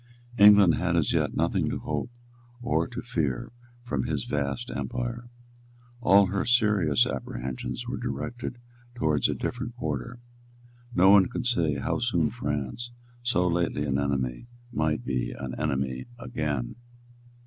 England had as yet nothing to hope or to fear from his vast empire. All her serious apprehensions were directed towards a different quarter. None could say how soon France, so lately an enemy, might be an enemy again.